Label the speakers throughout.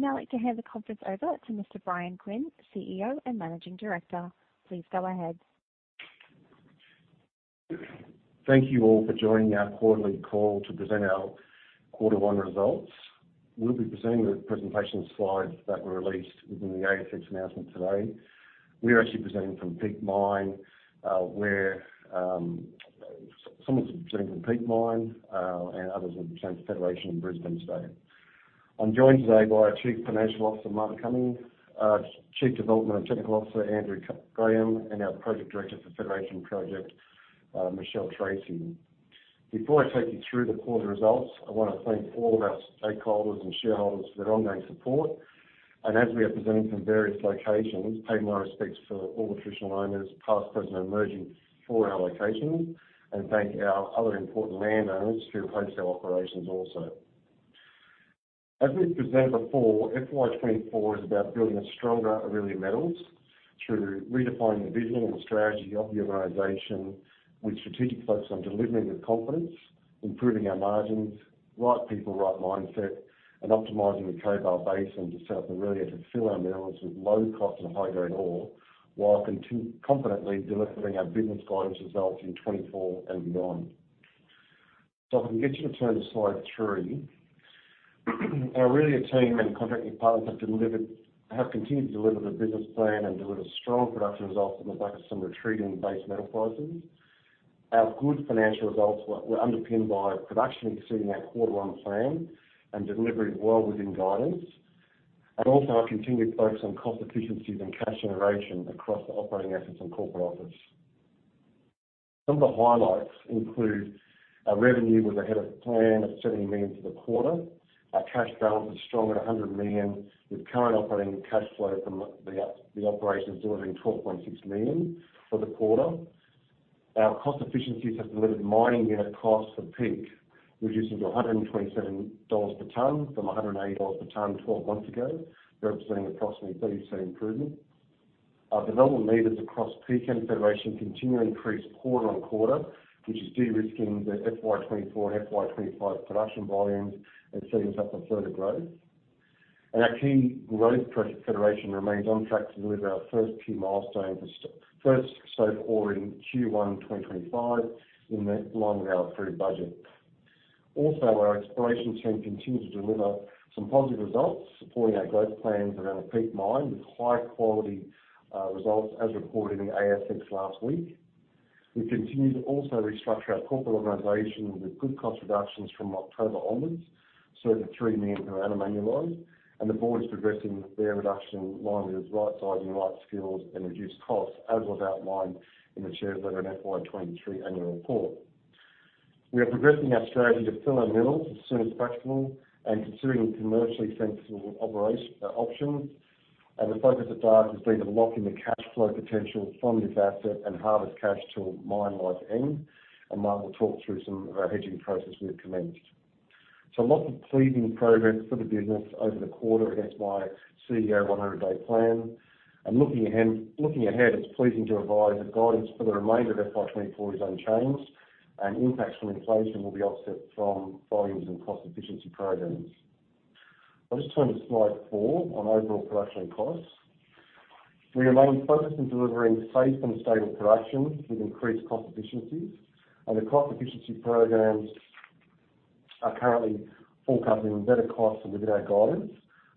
Speaker 1: We'd now like to hand the conference over to Mr. Bryan Quinn, CEO and Managing Director. Please go ahead.
Speaker 2: Thank you all for joining our quarterly call to present our quarter one results. We'll be presenting the presentation slides that were released within the ASX announcement today. We are actually presenting from Peak Mine, where some of us are presenting from Peak Mine, and others are presenting from Federation in Brisbane state. I'm joined today by our Chief Financial Officer, Martin Cummings, our Chief Development and Technical Officer, Andrew Graham, and our Project Director for Federation Project, Michelle Tracy. Before I take you through the quarter results, I want to thank all of our stakeholders and shareholders for their ongoing support. And as we are presenting from various locations, pay my respects for all the traditional owners, past, present, and emerging for our locations, and thank our other important landowners who host our operations also. As we've presented before, FY 2024 is about building a stronger Aurelia Metals through redefining the vision and the strategy of the organization, with strategic focus on delivering with confidence, improving our margins, right people, right mindset, and optimizing the Cobar Basin to set up Aurelia to fill our mills with low cost and high-grade ore, while confidently delivering our business guidance results in 2024 and beyond. So if we can get you to turn to slide three. Our Aurelia team and contracting partners have continued to deliver the business plan and deliver strong production results on the back of some retreating base metal prices. Our good financial results were underpinned by production exceeding our quarter 1 plan and delivering well within guidance, and also our continued focus on cost efficiencies and cash generation across the operating assets and corporate office. Some of the highlights include our revenue was ahead of plan at 70 million for the quarter. Our cash balance is strong at 100 million, with current operating cash flow from the operations delivering 12.6 million for the quarter. Our cost efficiencies have delivered mining unit costs for Peak, reducing to 127 dollars per tonne from 180 dollars per tonne twelve months ago, representing approximately 30% improvement. Our development meters across Peak and Federation continue to increase quarter on quarter, which is de-risking the FY 2024 and FY 2025 production volumes and setting us up for further growth. And our key growth project, Federation, remains on track to deliver our first key milestone for first ore in Q1 2025, in line with our approved budget. Also, our exploration team continued to deliver some positive results, supporting our growth plans around the Peak Mine, with high quality results as reported in the ASX last week. We continue to also restructure our corporate organization with good cost reductions from October onwards, so the 3 million per annum annualize, and the board is progressing their reduction in line with right-sizing, right skills, and reduced costs, as was outlined in the chair letter in FY 2023 annual report. We are progressing our strategy to fill our mills as soon as practicable and considering commercially sensible options. And the focus of that has been to lock in the cash flow potential from this asset and harvest cash till mine life end, and Mark will talk through some of our hedging process we have commenced. So lots of pleasing progress for the business over the quarter against my CEO 100-day plan. And looking ahead, looking ahead, it's pleasing to advise that guidance for the remainder of FY 2024 is unchanged, and impacts from inflation will be offset from volumes and cost efficiency programs. I'll just turn to slide four on overall production costs. We remain focused on delivering safe and stable production with increased cost efficiencies, and the cost efficiency programs are currently forecasting better costs than within our guidance.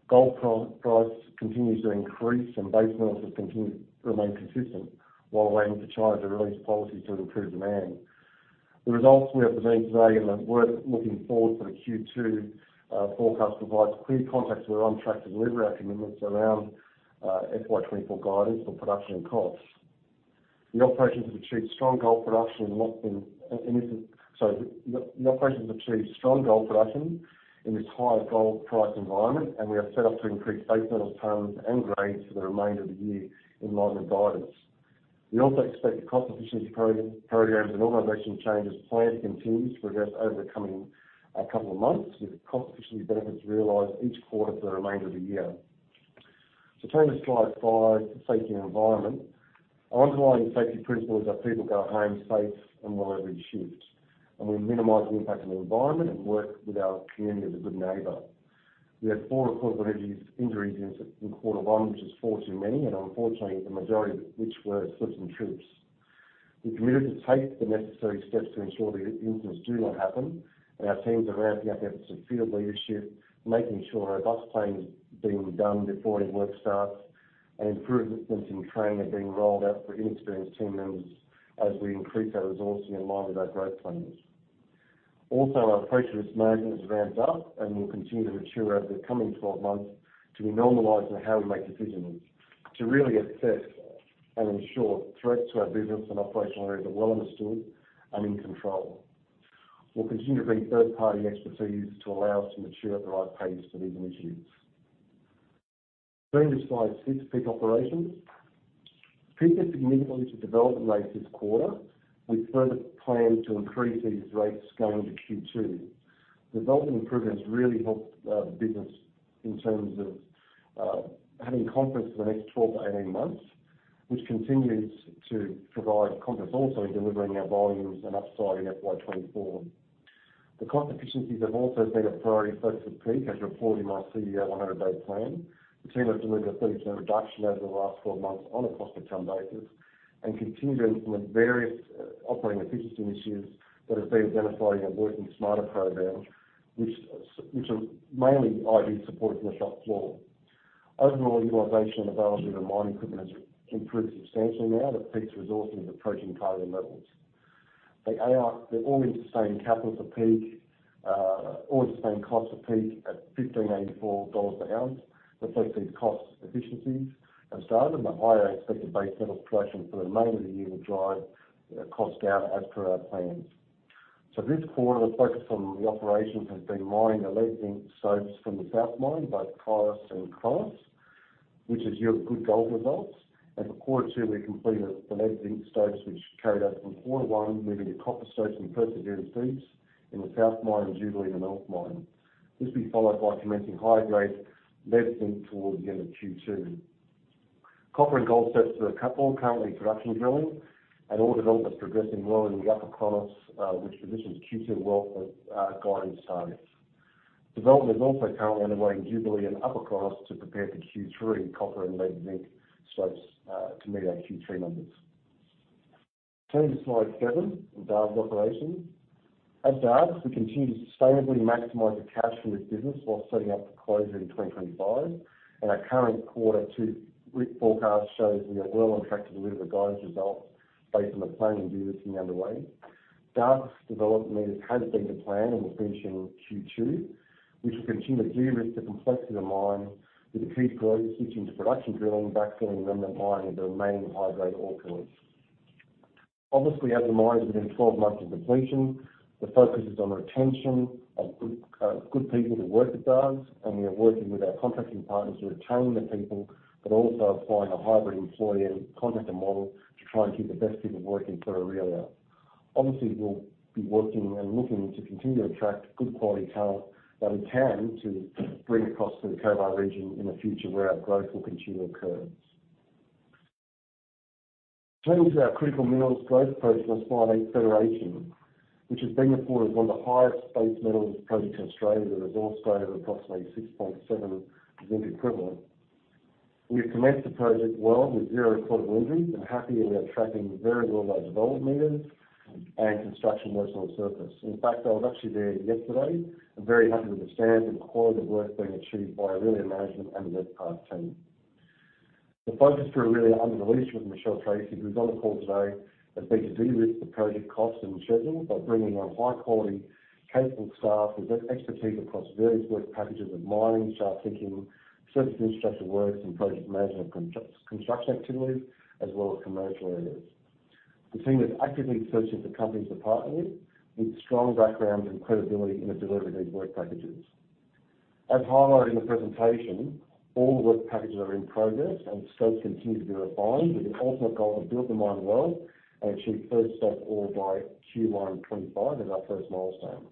Speaker 2: Gold price continues to increase, and base metals remain consistent while waiting for China to release policy to improve demand. The results we are presenting today and the work looking forward for the Q2 forecast provides clear context that we're on track to deliver our commitments around FY 2024 guidance for production and costs. The operations have achieved strong gold production in this higher gold price environment, and we are set up to increase base metal tons and grades for the remainder of the year in line with guidance. We also expect the cost efficiency programs and organization changes planned to continue to progress over the coming couple of months, with cost efficiency benefits realized each quarter for the remainder of the year. So turning to slide five, safety and environment. Our underlying safety principle is our people go home safe and well every shift, and we minimize the impact on the environment and work with our community as a good neighbor. We had four recordable injuries in quarter one, which is four too many, and unfortunately, the majority of which were slips and trips. We're committed to take the necessary steps to ensure these incidents do not happen, and our teams are ramping up efforts of field leadership, making sure our business plan is being done before any work starts, and improvements in training are being rolled out for inexperienced team members as we increase our resourcing in line with our growth plans. Also, our operational maintenance is ramped up and will continue to mature over the coming 12 months to be normalized in how we make decisions, to really assess and ensure threats to our business and operational areas are well understood and in control. We'll continue to bring third-party expertise to allow us to mature at the right pace for these initiatives. Turning to slide six, Peak Operations. Peak is significantly to development rates this quarter, with further plan to increase these rates going to Q2. Development improvements really helped the business in terms of having confidence for the next 12-18 months, which continues to provide confidence also in delivering our volumes and upside in FY 2024. The cost efficiencies have also been a priority focus at Peak, as reported in our CEO 100-day plan. The team has delivered a 30% reduction over the last 12 months on a cost-per-ton basis, and continued to implement various operating efficiency initiatives that have been identified in our Working Smarter program, which are mainly IT support on the shop floor. Overall, utilization and availability of the mine equipment has improved substantially now that Peak's resourcing is approaching target levels. The all-in sustaining capital for Peak, all-in sustaining costs of Peak at $1,584 per ounce, reflecting cost efficiencies have started, and the higher expected base metal production for the remainder of the year will drive, cost down as per our plans. So this quarter, the focus on the operations has been mining the lead zinc stopes from the South Mine, both Kairos and Chronos, which has yielded good gold results. And for quarter two, we completed the lead zinc stopes, which carried over from quarter one, moving to copper stopes in Perseverance Deeps in the South Mine and Jubilee in the North Mine. This will be followed by commencing high-grade lead zinc towards the end of Q2. Copper and gold stopes are a couple, currently in production drilling, and all development is progressing well in the Upper Chronos, which positions Q2 well for guidance targets. Development is also currently underway in Jubilee and Upper Chronos to prepare for Q3 copper and lead zinc stopes to meet our Q3 numbers. Turning to slide seven, Dargues operations. At Dargues, we continue to sustainably maximize the cash from this business while setting up for closure in 2025, and our current quarter 2 forecast shows we are well on track to deliver guidance results based on the planning and delivery underway. Dargues development meters has been to plan and will finish in Q2. We should continue to de-risk the complexity of the mine, with increased grades switching to production drilling, backfilling and then mining the remaining high-grade ore pillars. Obviously, as the mine is within 12 months of completion, the focus is on retention of good people to work at Dargues, and we are working with our contracting partners to retain the people, but also applying a hybrid employee and contractor model to try and keep the best people working for Aurelia. Obviously, we'll be working and looking to continue to attract good quality talent that we can to bring across to the Cobar region in the future, where our growth will continue to occur. Turning to our critical minerals growth process on Federation, which has been reported as one of the highest-grade metals projects in Australia, with a resource grade of approximately 6.7 zinc equivalent. We've commenced the project well with zero recorded injuries, and happy that we are tracking very well with development meters and construction works on the surface. In fact, I was actually there yesterday and very happy with the standards and the quality of work being achieved by Aurelia Management and the Redpath team. The focus for Aurelia, under the leadership of Michelle Tracy, who's on the call today, has been to de-risk the project costs and schedule by bringing on high-quality, capable staff with expertise across various work packages of mining, shaft sinking, surface infrastructure works, and project management of construction activities, as well as commercial areas. The team is actively searching for companies to partner with, with strong backgrounds and credibility in the delivery of these work packages. As highlighted in the presentation, all the work packages are in progress, and the scopes continue to be refined, with the ultimate goal to build the mine well and achieve first ore by Q1 2025 as our first milestone.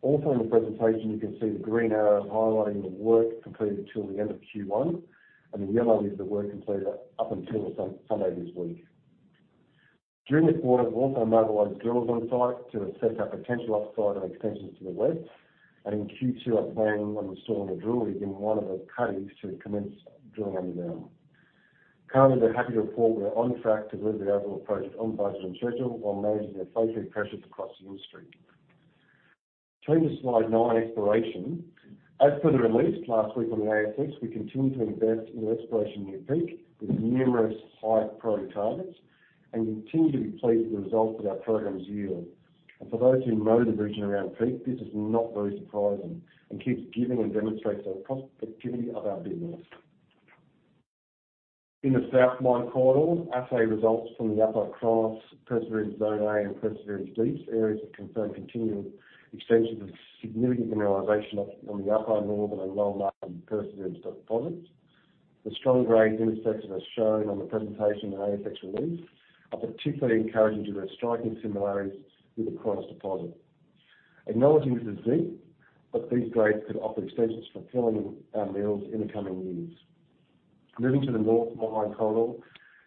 Speaker 2: Also, in the presentation, you can see the green arrow highlighting the work completed till the end of Q1, and the yellow is the work completed up until Sunday this week. During this quarter, we've also mobilized drills on site to assess our potential upside on extensions to the west, and in Q2, are planning on installing a drill rig in one of the cuttings to commence drilling underground. Currently, we're happy to report we are on track to deliver the overall project on budget and schedule, while managing the inflationary pressures across the industry. Turning to slide nine, exploration. As per the release last week on the ASX, we continue to invest in exploration near Peak, with numerous high-priority targets, and continue to be pleased with the results that our programs yield. For those who know the region around Peak, this is not very surprising and keeps giving and demonstrates the prospectivity of our business. In the South Mine Corridor, assay results from the Upper Chronos, Perseverance Zone A, and Perseverance Deeps areas have confirmed continuing extensions of significant mineralization on the upper northern and well-known Perseverance deposit. The strong grade intercepts, as shown on the presentation and ASX release, are particularly encouraging due to striking similarities with the Chronos deposit. Acknowledging this is deep, but these grades could offer extensions for filling our mills in the coming years. Moving to the North Mine Corridor,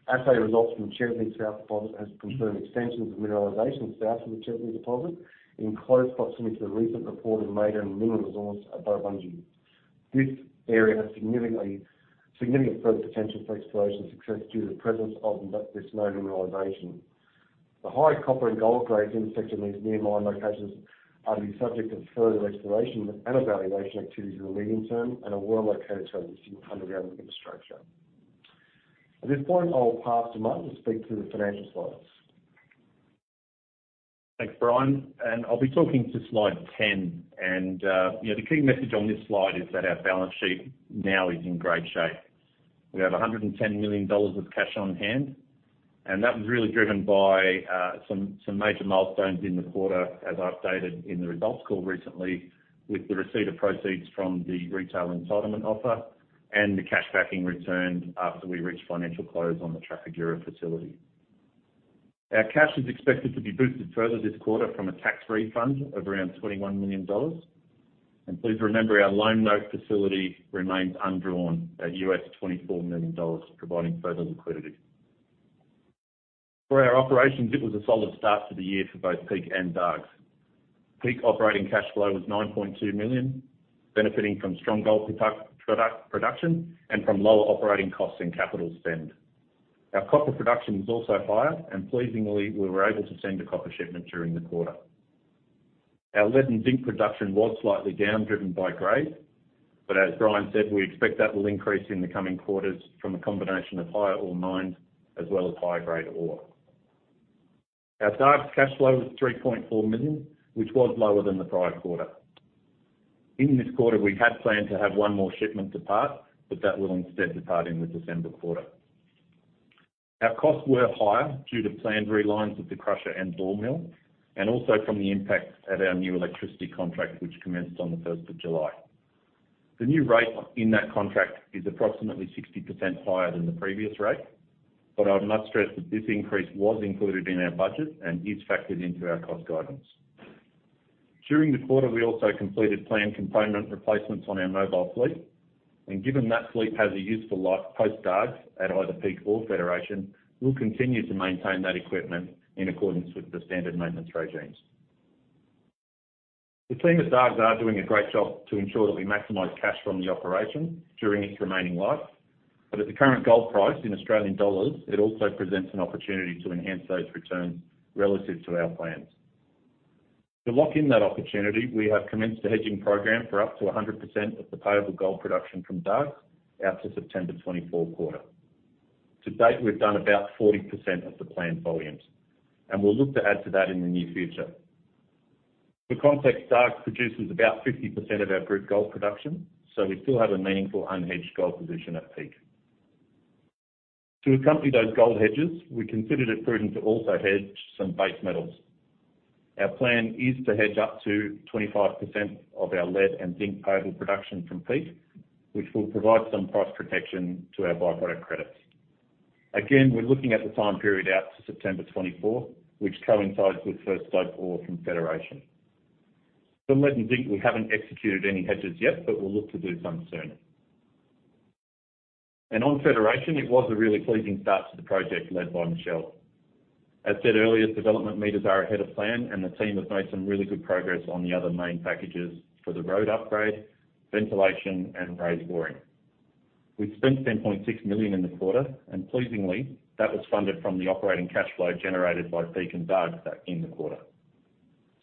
Speaker 2: assay results from the Cherokee South deposit has confirmed extensions of mineralization south of the Cherokee deposit, in close proximity to the recent reported maiden mineral resource at Burrabung. This area has significant further potential for exploration success due to the presence of this known mineralization. The high copper and gold grades intersected in these near mine locations are to be subject of further exploration and evaluation activities in the medium term and are well located for existing underground infrastructure. At this point, I'll pass to Martin to speak through the financial slides.
Speaker 3: Thanks, Bryan, and I'll be talking to slide 10. You know, the key message on this slide is that our balance sheet now is in great shape. We have 110 million dollars of cash on hand, and that was really driven by some major milestones in the quarter, as I updated in the results call recently, with the receipt of proceeds from the retail entitlement offer and the cash backing returned after we reached financial close on the Trafigura facility. Our cash is expected to be boosted further this quarter from a tax refund of around 21 million dollars. And please remember, our loan note facility remains undrawn at $24 million, providing further liquidity. For our operations, it was a solid start to the year for both Peak and Dargues. Peak operating cash flow was 9.2 million, benefiting from strong gold production and from lower operating costs and capital spend. Our copper production was also higher, and pleasingly, we were able to send a copper shipment during the quarter. Our lead and zinc production was slightly down, driven by grade, but as Bryan said, we expect that will increase in the coming quarters from a combination of higher ore mined as well as higher-grade ore. Our Dargues cash flow was 3.4 million, which was lower than the prior quarter. In this quarter, we had planned to have one more shipment depart, but that will instead depart in the December quarter. Our costs were higher due to planned relines of the crusher and ball mill, and also from the impact of our new electricity contract, which commenced on the first of July. The new rate in that contract is approximately 60% higher than the previous rate, but I must stress that this increase was included in our budget and is factored into our cost guidance. During the quarter, we also completed planned component replacements on our mobile fleet, and given that fleet has a useful life post-Dargues at either Peak or Federation, we'll continue to maintain that equipment in accordance with the standard maintenance regimes. The team at Dargues are doing a great job to ensure that we maximize cash from the operation during its remaining life. But at the current gold price in Australian dollars, it also presents an opportunity to enhance those returns relative to our plans. To lock in that opportunity, we have commenced a hedging program for up to 100% of the payable gold production from Dargues out to September 2024 quarter. To date, we've done about 40% of the planned volumes, and we'll look to add to that in the near future. For context, Dargues produces about 50% of our group gold production, so we still have a meaningful unhedged gold position at Peak. To accompany those gold hedges, we considered it prudent to also hedge some base metals. Our plan is to hedge up to 25% of our lead and zinc payable production from Peak, which will provide some price protection to our byproduct credits. Again, we're looking at the time period out to September 2024, which coincides with first stope ore from Federation. For lead and zinc, we haven't executed any hedges yet, but we'll look to do some soon. And on Federation, it was a really pleasing start to the project, led by Michelle. As said earlier, development meters are ahead of plan, and the team have made some really good progress on the other main packages for the road upgrade, ventilation, and raised boring. We've spent 10.6 million in the quarter, and pleasingly, that was funded from the operating cash flow generated by Peak and Dargues back in the quarter.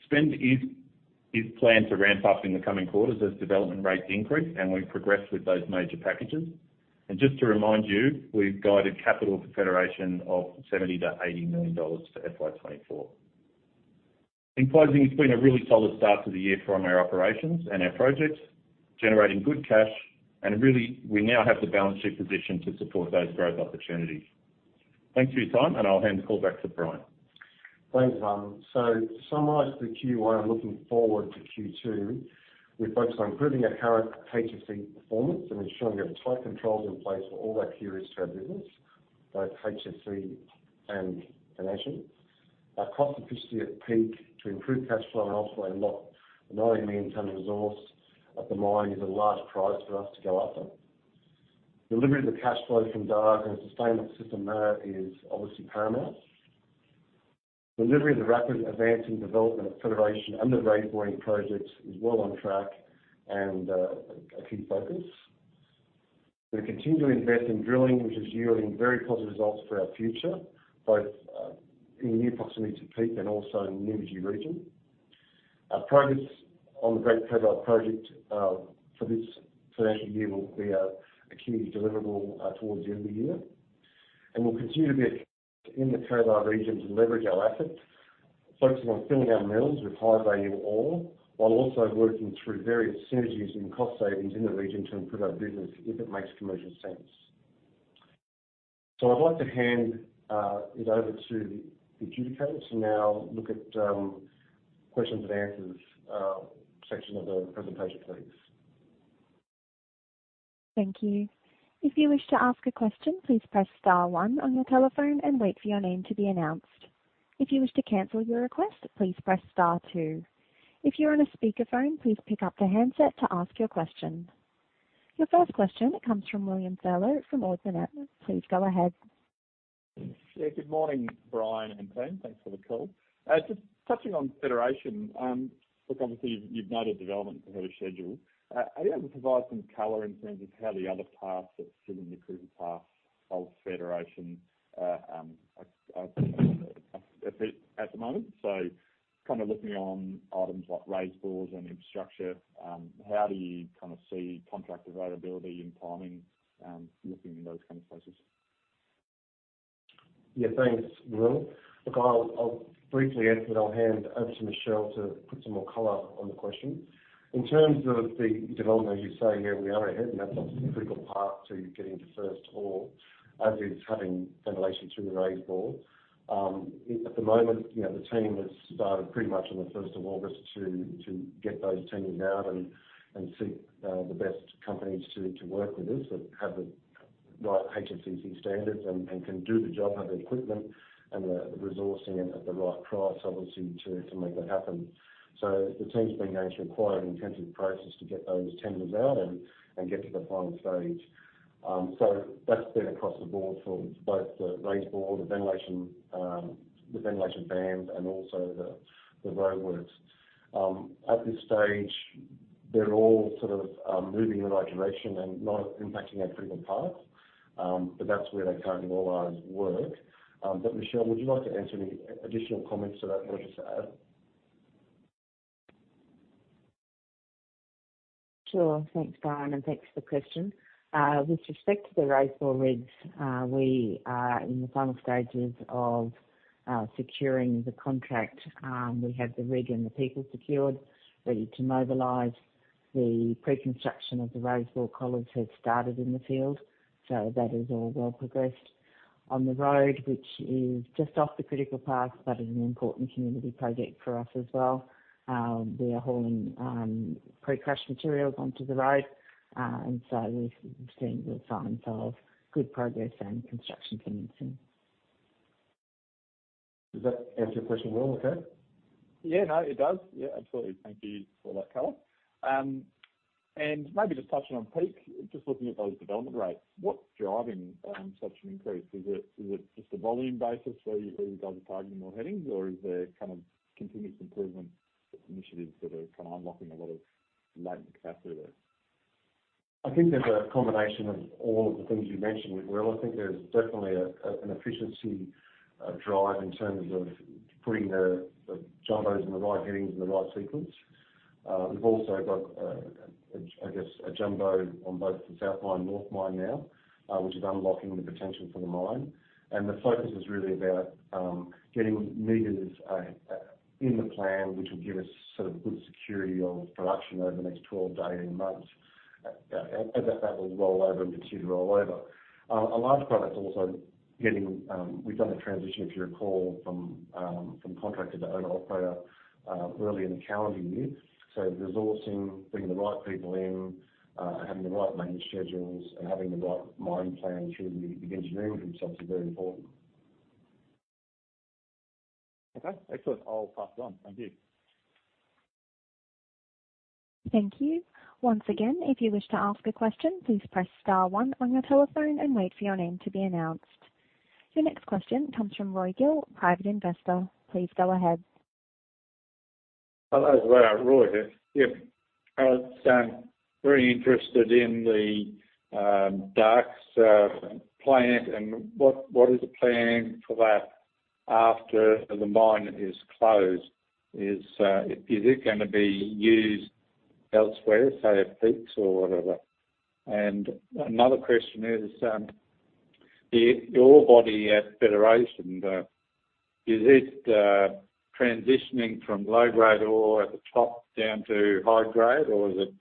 Speaker 3: Spend is planned to ramp up in the coming quarters as development rates increase and we progress with those major packages. Just to remind you, we've guided capital for Federation of 70 million-80 million dollars for FY 2024. In closing, it's been a really solid start to the year from our operations and our projects, generating good cash, and really, we now have the balance sheet position to support those growth opportunities. Thanks for your time, and I'll hand the call back to Bryan.
Speaker 2: Thanks, so to summarize the Q1, looking forward to Q2, we're focused on improving our current HSE performance and ensuring we have tight controls in place for all our key risks to our business, both HSE and financial. Our cost efficiency at Peak to improve cash flow and also unlock the 90 million tonne of resource at the mine is a large prize for us to go after. Delivery of the cash flow from Dargues and the sustainable system there is obviously paramount. Delivery of the rapid advancing development of Federation and the raised boring projects is well on track and, a key focus. We continue to invest in drilling, which is yielding very positive results for our future, both in the near proximity to Peak and also in the Nymagee region. Our progress on the Great Cobar Project, for this financial year will be, a key deliverable, towards the end of the year, and we'll continue to be active in the Cobar regions and leverage our assets, focusing on filling our mills with high-value ore, while also working through various synergies and cost savings in the region to improve our business if it makes commercial sense. So I'd like to hand, it over to the operator to now look at, questions and answers, section of the presentation, please.
Speaker 1: Thank you. If you wish to ask a question, please press star one on your telephone and wait for your name to be announced. If you wish to cancel your request, please press star two. If you're on a speakerphone, please pick up the handset to ask your question. Your first question comes from William Zylow from Ord Minnett. Please go ahead.
Speaker 4: Yeah, good morning, Bryan and team. Thanks for the call. Just touching on Federation, look, obviously, you've noted development ahead of schedule. Are you able to provide some color in terms of how the other parts that sit in the critical path of Federation are at the moment? So kind of looking on items like raise bores and infrastructure, how do you kind of see contract availability and timing, looking in those kind of places?
Speaker 2: Yeah, thanks, William. Look, I'll briefly answer, then I'll hand over to Michelle to put some more color on the question. In terms of the development, as you say, yeah, we are ahead, and that's a critical path to getting to first ore, as is having ventilation through the raise bore. At the moment, you know, the team has started pretty much on the first of August to get those tenders out and seek the best companies to work with us that have like HSEC standards and can do the job, have the equipment, and the resourcing at the right price, obviously, to make that happen. So the team's been going through quite an intensive process to get those tenders out and get to the final stage. So that's been across the board for both the raise bore, the ventilation, the ventilation band, and also the roadworks. At this stage, they're all sort of moving in the right direction and not impacting our critical path, but that's where they currently all are at work. But Michelle, would you like to answer any additional comments to that or just add?
Speaker 5: Sure. Thanks, Bryan, and thanks for the question. With respect to the raise bore rigs, we are in the final stages of securing the contract. We have the rig and the people secured, ready to mobilize. The pre-construction of the raise bore collars have started in the field, so that is all well progressed. On the road, which is just off the critical path, that is an important community project for us as well. We are hauling pre-crushed materials onto the road, and so we've seen good signs of good progress and construction commencing.
Speaker 2: Does that answer your question well, okay?
Speaker 4: Yeah, no, it does. Yeah, absolutely. Thank you for that color. And maybe just touching on Peak, just looking at those development rates, what's driving such an increase? Is it, is it just a volume basis where you, where you guys are targeting more headings, or is there kind of continuous improvement initiatives that are kind of unlocking a lot of latent capacity there?
Speaker 2: I think there's a combination of all of the things you mentioned, Will. I think there's definitely an efficiency drive in terms of putting the jumbos in the right headings, in the right sequence. We've also got, I guess, a jumbo on both the South Mine, North Mine now, which is unlocking the potential for the mine. And the focus is really about getting meters in the plan, which will give us sort of good security of production over the next 12, 18 months. And that will roll over and continue to roll over. A large part that's also getting... We've done a transition, if you recall, from contractor to owner-operator, early in the calendar year. So resourcing, bringing the right people in, having the right management schedules, and having the right mine plan to the engineering themselves is very important.
Speaker 4: Okay, excellent. I'll pass it on. Thank you.
Speaker 1: Thank you. Once again, if you wish to ask a question, please press star one on your telephone and wait for your name to be announced. Your next question comes from Roy Gill, private investor. Please go ahead.
Speaker 6: Hello, Roy here. Yep, I was very interested in the Dargues plant and what is the plan for that after the mine is closed? Is it gonna be used elsewhere, say, at Peak or whatever? And another question is, your ore body at Federation, is it transitioning from low grade ore at the top down to high grade, or is it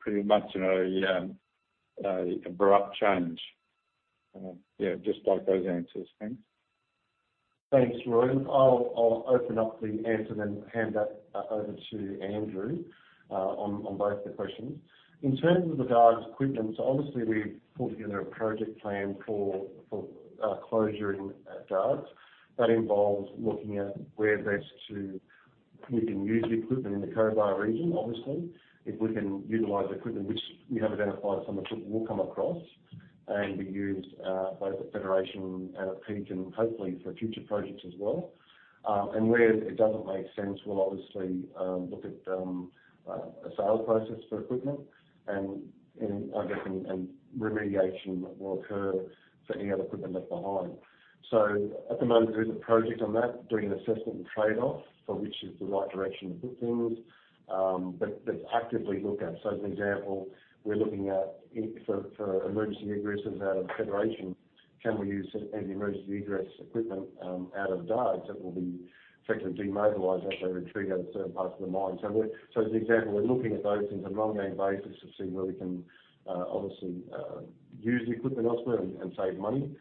Speaker 6: pretty much, you know, an abrupt change? Yeah, just like those answers, thanks.
Speaker 2: Thanks, Roy. I'll open up the answer then hand back over to Andrew on both the questions. In terms of the Dargues equipment, so obviously we've pulled together a project plan for closure at Dargues. That involves looking at where best we can use the equipment in the Cobar region, obviously. If we can utilize equipment, which we have identified, some of which will come across and be used both at Federation and at Peak, and hopefully for future projects as well. And where it doesn't make sense, we'll obviously look at a sales process for equipment and I guess remediation will occur for any other equipment left behind. So at the moment, there is a project on that, doing an assessment and trade-off for which is the right direction to put things, but actively look at. So for example, we're looking at if for emergency egresses out of Federation, can we use any emergency egress equipment out of Dargues that will be effectively demobilized after we retrieve certain parts of the mine? So as an example, we're looking at those things on an ongoing basis to see where we can obviously use the equipment elsewhere and save money.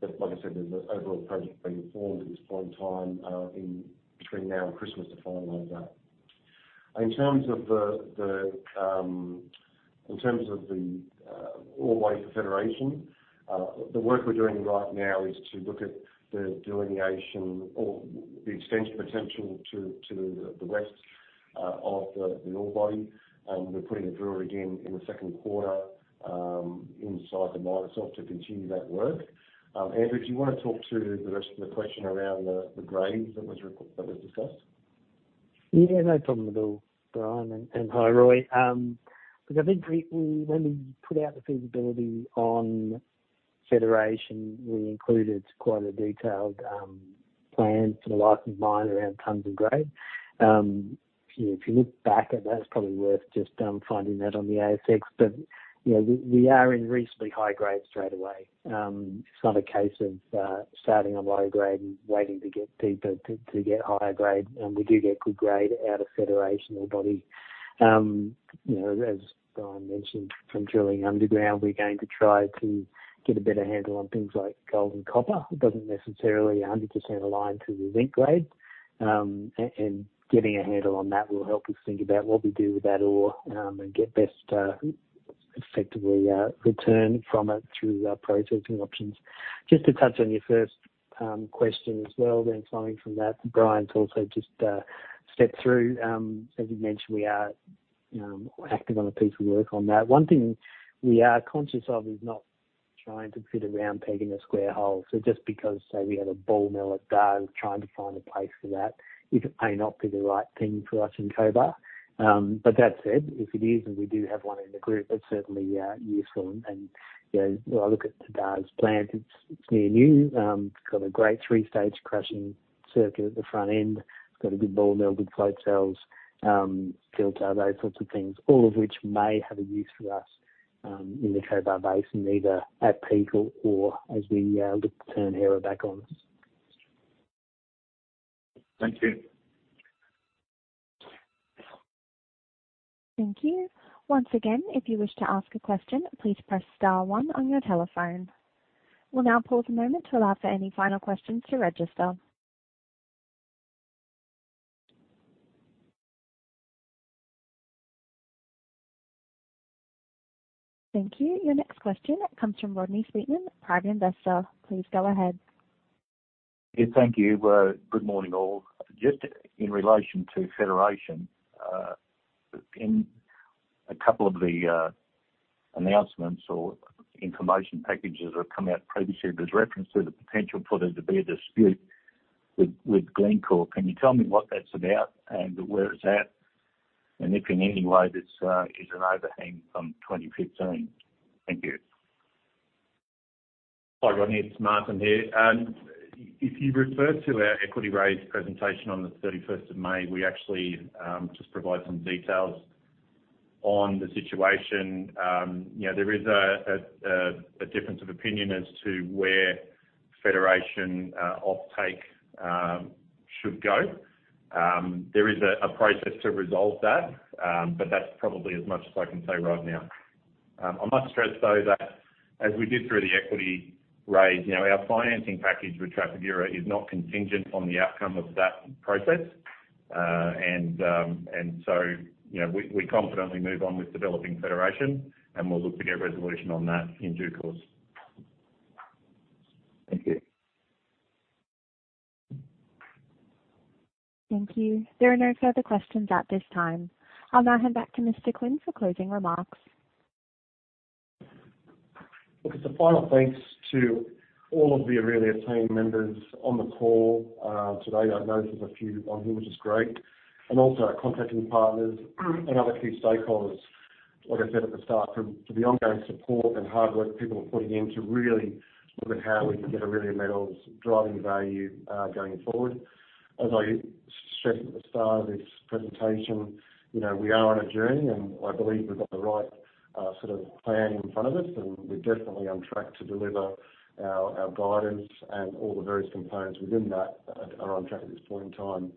Speaker 2: But like I said, there's an overall project being formed at this point in time in between now and Christmas to finalize that. In terms of the ore body for Federation, the work we're doing right now is to look at the delineation or the extension potential to the west of the ore body. We're putting a driller again in the second quarter inside the mine itself to continue that work. Andrew, do you want to talk through the rest of the question around the grades that was discussed?
Speaker 7: Yeah, no problem at all, Bryan, and hi, Roy. Look, I think we, when we put out the feasibility on Federation, we included quite a detailed plan for the life of mine around tons and grade. If you look back at that, it's probably worth just finding that on the ASX. But you know, we are in reasonably high grade straightaway. It's not a case of starting on low grade and waiting to get deeper to get higher grade. We do get good grade out of Federation ore body. You know, as Bryan mentioned, from drilling underground, we're going to try to get a better handle on things like gold and copper. It doesn't necessarily 100% align to the zinc grade. And getting a handle on that will help us think about what we do with that ore, and get best effectively return from it through processing options. Just to touch on your first question as well, then following from that, Bryan's also just stepped through. As you mentioned, we are active on a piece of work on that. One thing we are conscious of is not trying to fit a round peg in a square hole. So just because, say, we have a ball mill at Dargues, trying to find a place for that, it may not be the right thing for us in Cobar. But that said, if it is, and we do have one in the group, that's certainly useful. And, you know, when I look at the Dargues' plant, it's near new. It's got a great three-stage crushing circuit at the front end. It's got a good ball mill, good float cells, filter, those sorts of things, all of which may have a use for us, in the Cobar Basin, either at Peak or as we look to turn Hera back on.
Speaker 6: Thank you.
Speaker 1: Thank you. Once again, if you wish to ask a question, please press star one on your telephone. We'll now pause a moment to allow for any final questions to register. Thank you. Your next question comes from Rodney Sweetman, private investor. Please go ahead.
Speaker 8: Yeah, thank you. Good morning, all. Just in relation to Federation, in a couple of the announcements or information packages that have come out previously, there's reference to the potential for there to be a dispute with, with Glencore. Can you tell me what that's about and where it's at, and if in any way this is an overhang from 2015? Thank you.
Speaker 3: Hi, Rodney, it's Martin here. If you refer to our equity raise presentation on the thirty-first of May, we actually just provide some details on the situation. You know, there is a difference of opinion as to where Federation offtake should go. There is a process to resolve that, but that's probably as much as I can say right now. I must stress, though, that as we did through the equity raise, you know, our financing package with Trafigura is not contingent on the outcome of that process. And so, you know, we confidently move on with developing Federation, and we'll look to get resolution on that in due course.
Speaker 8: Thank you.
Speaker 1: Thank you. There are no further questions at this time. I'll now hand back to Mr. Quinn for closing remarks.
Speaker 2: Look, it's a final thanks to all of the Aurelia team members on the call, today. I've noticed there's a few on here, which is great, and also our contracting partners, and other key stakeholders. Like I said at the start, for the ongoing support and hard work people are putting in to really look at how we can get Aurelia Metals driving value, going forward. As I stressed at the start of this presentation, you know, we are on a journey, and I believe we've got the right, sort of plan in front of us, and we're definitely on track to deliver our guidance and all the various components within that are on track at this point in time.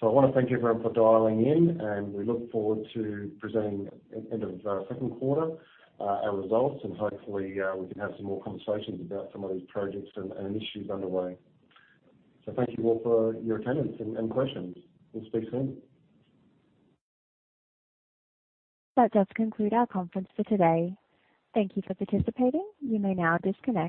Speaker 2: So I want to thank everyone for dialing in, and we look forward to presenting at the end of the second quarter our results, and hopefully we can have some more conversations about some of these projects and, and issues underway. So thank you all for your attendance and, and questions. We'll speak soon.
Speaker 1: That does conclude our conference for today. Thank you for participating. You may now disconnect.